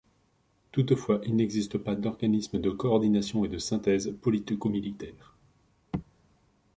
Toutefois il n’existe pas d’organisme de coordination et de synthèse politico-militaire.